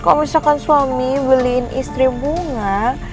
kalau misalkan suami beliin istri bunga